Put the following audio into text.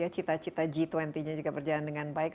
cita cita g dua puluh nya juga berjalan dengan baik